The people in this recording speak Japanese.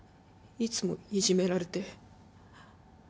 いつもいじめられて。